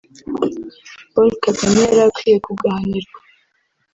Paul Kagame yarakwiye kugahanirwa